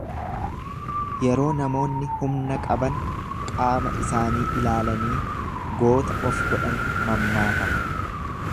yeroo namoonni humna qaban qaama isaanii ilaalanii goota of godhan mammaakama.